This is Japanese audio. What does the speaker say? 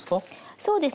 そうですね。